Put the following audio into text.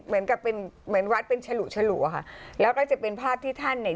มันจะเป็นเหมือนวัดเป็นชะหรูแล้วก็จะเป็นภาพที่ท่านเห็น